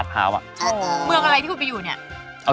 ที่นู่น